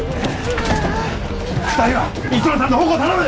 ２人は磯野さんの保護を頼む！